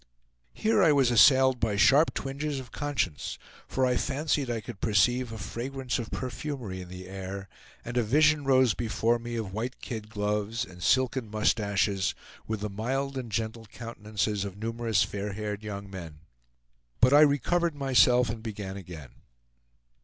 Here I was assailed by sharp twinges of conscience, for I fancied I could perceive a fragrance of perfumery in the air, and a vision rose before me of white kid gloves and silken mustaches with the mild and gentle countenances of numerous fair haired young men. But I recovered myself and began again.